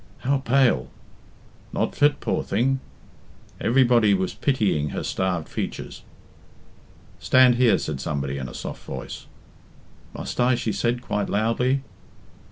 "How pale!" "Not fit, poor thing." Everybody was pitying her starved features. "Stand here," said somebody in a soft voice. "Must I?" she said quite loudly.